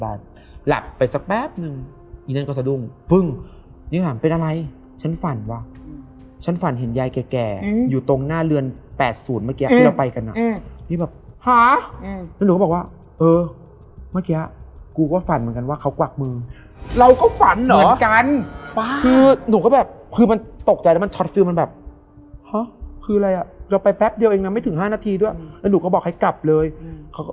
ไปถึงปุ๊บโหดูแทบจะลาดในเตียงเลยอะดูลาดอย่างนี้แหละ